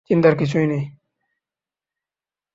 চিন্তার কিছু নেই।